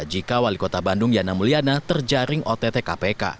jika wali kota bandung yana mulyana terjaring ott kpk